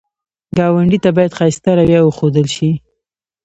ګاونډي ته باید ښایسته رویه وښودل شي